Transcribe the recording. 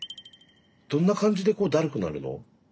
どんな感じでだるくなるの？